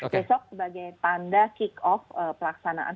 besok sebagai tanda kick off pelaksanaan